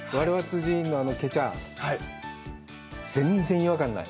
あのケチャ、全然違和感ない。